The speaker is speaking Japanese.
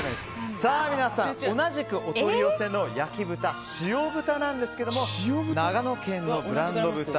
同じくお取り寄せの焼豚塩豚なんですけども長野県のブランド豚